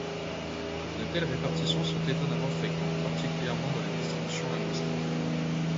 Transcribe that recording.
De telles répartitions sont étonnamment fréquentes, particulièrement dans les distributions linguistiques.